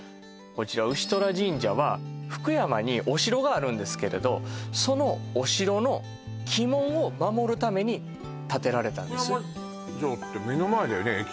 こちら艮神社は福山にお城があるんですけれどそのお城の鬼門を守るために建てられたんです福山城って目の前だよね